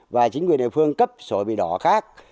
và chính quyền địa phương cấp sổ bị đỏ khác